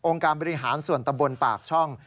องค์การบริหารส่วนตะบนปากช่อง